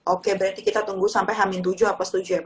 oke berarti kita tunggu sampai hamin tujuh h tujuh ya pak